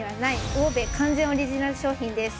魚べい完全オリジナル商品です